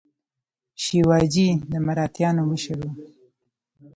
شیواجي د مراتیانو مشر و.